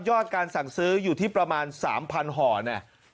การสั่งซื้ออยู่ที่ประมาณ๓๐๐ห่อเนี่ย